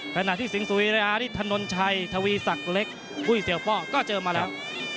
ขณะที่สิงห์สุริยะนี่ทนนชัยอุ้ยเสี่ยวปอล์ก็เจอมาแล้ว